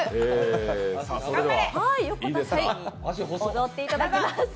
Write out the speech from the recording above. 踊っていただきます